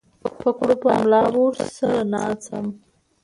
په کړوپه ملا به ورسره ناڅم